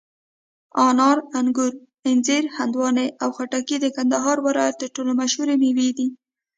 انار، انګور، انځر، هندواڼې او خټکي د کندهار ولایت تر ټولو مشهوري مېوې دي.